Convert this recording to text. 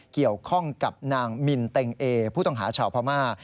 เกี่ยวข้องกับนางมินเต็งเอผู้ต้องหาชาวพม่า